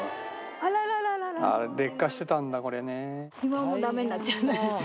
ああ劣化してたんだこれね。